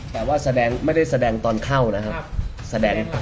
แต่ว่าแสดงไม่ได้แสดงตอนเข้านะครับ